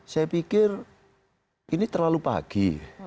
saya pikir ini terlalu pagi